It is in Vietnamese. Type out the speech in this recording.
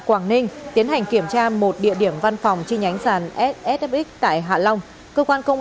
quảng ninh tiến hành kiểm tra một địa điểm văn phòng chi nhánh sàn ssf tại hạ long cơ quan công